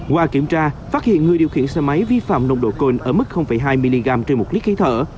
qua kiểm tra phát hiện người điều khiển xe máy vi phạm nồng độ cồn ở mức hai mg trên một lít khí thở